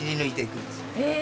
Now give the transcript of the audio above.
へえ！